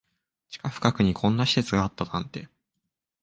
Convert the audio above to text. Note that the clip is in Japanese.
地下深くにこんな施設があったなんて